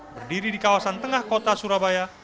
berdiri di kawasan tengah kota surabaya